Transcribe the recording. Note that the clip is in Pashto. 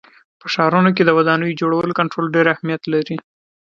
په ښارونو کې د ودانیو د جوړولو کنټرول ډېر اهمیت لري.